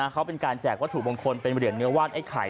เขาเป็นการแจกวัตถุมงคลเป็นเหรียญเนื้อวาดไอ้ไข่